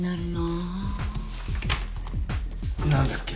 何だっけ？